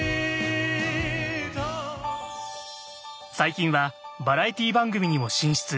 最近はバラエティー番組にも進出。